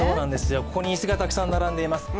ここに椅子がたくさん並んでいます。